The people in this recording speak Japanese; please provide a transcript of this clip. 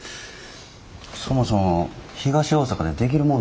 そもそも東大阪でできるもんなんすかね。